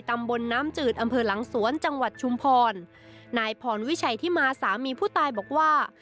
ตำบลน้ำจืดอำเภอหลังสวนจังหวัดชุมพรนายพรวิชัยที่มาสามีผู้ตายบอกว่า